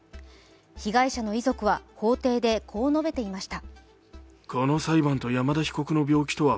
被害者の遺族は法廷でこう述べていました。